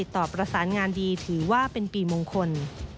ต่อประสานงานดีถือว่าเป็นปีมงคล